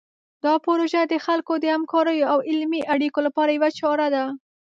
دا پروژه د خلکو د همکاریو او علمي اړیکو لپاره یوه چاره ده.